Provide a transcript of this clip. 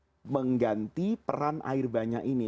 bagaimana kita mengganti peran air banyak ini